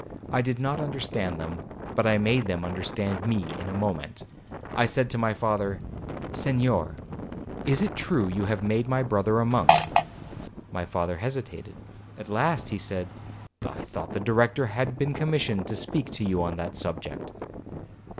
I did not understand them, but I made them understand me in a moment. I said to my father, 'Senhor, is it true you have made my brother a monk?' My father hesitated; at last he said, 'I thought the Director had been commissioned to speak to you on that subject.'